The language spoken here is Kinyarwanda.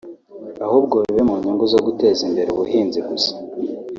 ahubwo bibe mu nyungu zo guteza imbere ubuhinzi gusa